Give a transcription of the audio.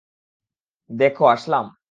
দেখো, আসলাম।